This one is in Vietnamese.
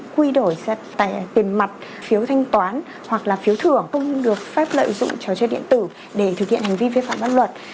quy đổi tiền mặt phiếu thanh toán hoặc là phiếu thử không được phép lợi dụng trò chơi điện tử để thực hiện hành vi vi phạm pháp luật